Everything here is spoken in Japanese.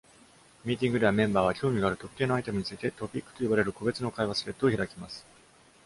ミーティングでは、メンバーは興味がある特定のアイテムについて、「トピック」と呼ばれる個別の会話スレッドを開きます。